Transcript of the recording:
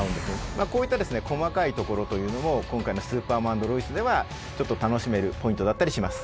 まあこういった細かいところというのも今回の「スーパーマン＆ロイス」ではちょっと楽しめるポイントだったりします。